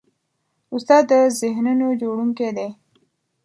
استاد د ذهنونو جوړوونکی دی.